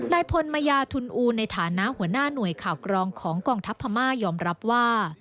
นายพลมยาทุนอูในฐานะหัวหน้าหน่วยข่าวกรองของกองทัพพม่ายอมรับว่า